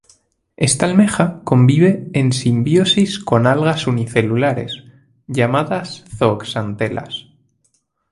Esta almeja convive en simbiosis con algas unicelulares, llamadas zooxantelas.